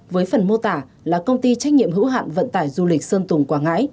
với phần mô tả là công ty trách nhiệm hữu hạn vận tải du lịch sơn tùng quảng ngãi